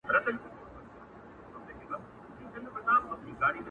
زموږه دوو زړونه دي تل د محبت مخته وي ـ